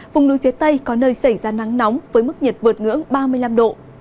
vùng núi phía tây có nơi xảy ra nắng nóng với mức nhiệt vượt ngưỡng ba mươi năm độ